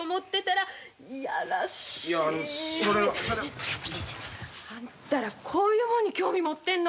それは。あんたらこういうもんに興味持ってんの？